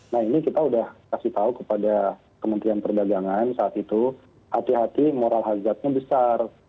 nah ini kita sudah kasih tahu kepada kementerian perdagangan saat itu hati hati moral hazardnya besar